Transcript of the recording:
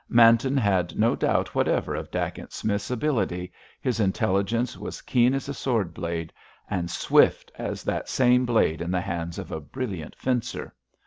Manton had no doubt whatever of Dacent Smith's ability, his intelligence was keen as a sword blade, and swift as that same blade in the hands of a brilliant fencer.